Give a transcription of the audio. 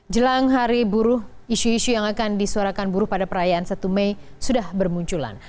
jelang hari buruh isu isu yang akan disuarakan buruh pada perayaan satu mei sudah bermunculan